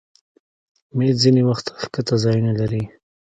مېز ځینې وخت ښکته ځایونه لري.